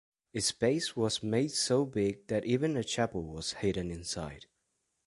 Its base was made so big that even a chapel was hidden inside.